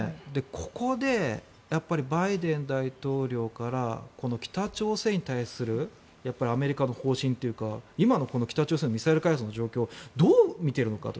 ここでやっぱりバイデン大統領から北朝鮮に対するアメリカの方針というか今の北朝鮮のミサイル開発の状況どう見ているのかと。